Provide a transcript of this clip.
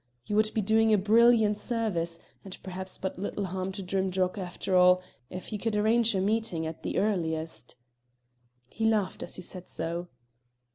You would be doing a brilliant service and perhaps but little harm to Drimdarroch after all if you could arrange a meeting at the earliest." He laughed as he said so.